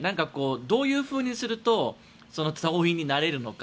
どういうふうにすると党員になれるのか。